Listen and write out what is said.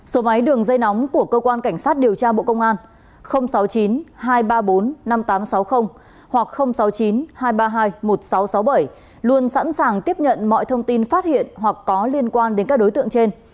số máy đường dây nóng của cơ quan cảnh sát điều tra bộ công an sáu mươi chín hai trăm ba mươi bốn năm nghìn tám trăm sáu mươi hoặc sáu mươi chín hai trăm ba mươi hai một nghìn sáu trăm sáu mươi bảy luôn sẵn sàng tiếp nhận mọi thông tin phát hiện hoặc có liên quan đến các đối tượng trên